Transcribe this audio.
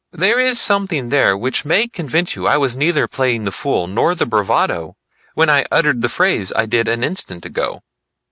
There is something there which may convince you I was neither playing the fool nor the bravado when I uttered the phrase I did an instant ago."